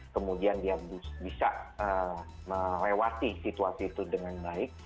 kemudian dia bisa melewati situasi itu dengan baik